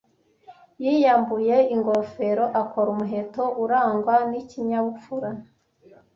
Yiyambuye ingofero akora umuheto urangwa n'ikinyabupfura.